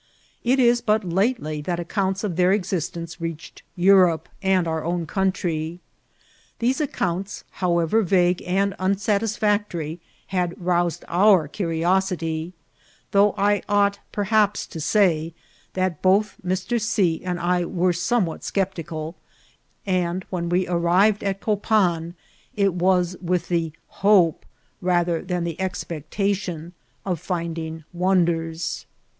It is but latdy that accomits of their existenoe reached Europe and our own country. These accounts, however Tagoe and untatisfiactory, had roused our curiosity; though I ought perhaps to say diat both Mr. C. and I were somewhat Sceptical, and when we arriTed at Copan, it was with the hope, rather than the expectation, of finding wonders.